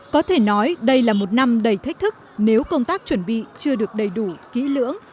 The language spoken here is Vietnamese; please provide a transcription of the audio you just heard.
có thể nói đây là một năm đầy thách thức nếu công tác chuẩn bị chưa được đầy đủ kỹ lưỡng